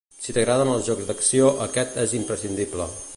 Si t'agraden els jocs d’acció, aquest és imprescindible.